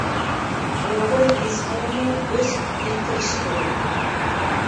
ئۇيغۇر يېزىقىغىمۇ ئۆز پېتى كىرىشى كېرەك.